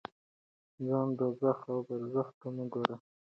ځان دوزخ او برزخ ته مه ورکوئ.